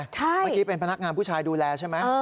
เมื่อกี้เป็นพนักงานผู้ชายดูแลใช่ไหม